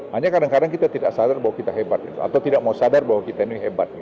hanya kadang kadang kita tidak sadar bahwa kita hebat atau tidak mau sadar bahwa kita ini hebat